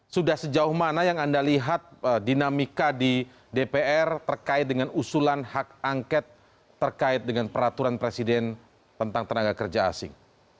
sudah sejauh mana yang anda lihat dinamika di dpr terkait dengan usulan hak angket terkait dengan peraturan presiden tentang tenaga kerja asing